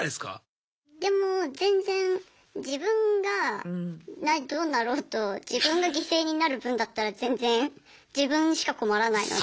でも全然自分がどうなろうと自分が犠牲になる分だったら全然自分しか困らないので。